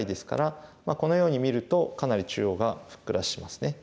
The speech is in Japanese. このように見るとかなり中央がふっくらしますね。